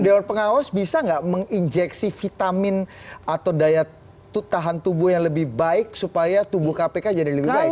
dewan pengawas bisa nggak menginjeksi vitamin atau daya tahan tubuh yang lebih baik supaya tubuh kpk jadi lebih baik